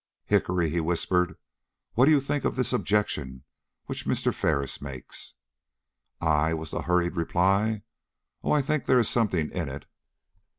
"Hickory," he whispered, "what do you think of this objection which Mr. Ferris makes?" "I?" was the hurried reply. "Oh, I think there is something in it."